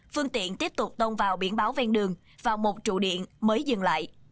phương tiện tiếp tục tông vào biển báo ven đường vào một trụ điện mới dừng lại